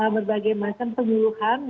berbagai macam penyuluhan